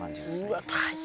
うわっ、大変。